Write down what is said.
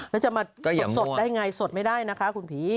แล้วจะมาสดได้ไงสดไม่ได้นะคะคุณผี